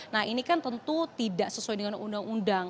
nah ini kan tentu tidak sesuai dengan undang undang